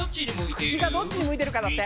口がどっちに向いてるかだって。